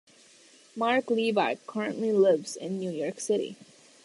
Marc Levy currently lives in New York City.